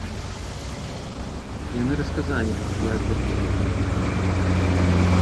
Яны расказалі нам, як гэта было.